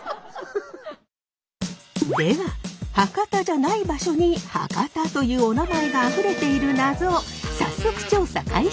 では博多じゃない場所に博多というお名前があふれているナゾ早速調査開始です。